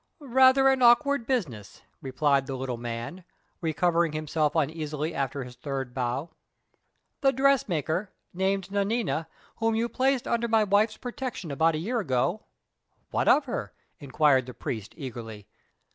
"Rather an awkward business," replied the little man, recovering himself uneasily after his third bow. "The dressmaker, named Nanina, whom you placed under my wife's protection about a year ago " "What of her?" inquired the priest eagerly.